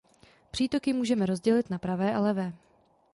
Přítoky můžeme rozdělit na pravé a levé.